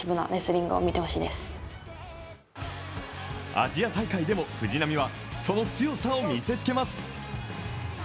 アジア大会でも藤波はその強さを見せつけます。